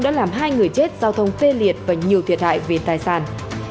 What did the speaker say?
đã làm hai người chết giao thông tê liệt và nhiều thiệt hại về tài sản